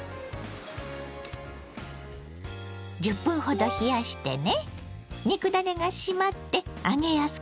１０分ほど冷やしてね。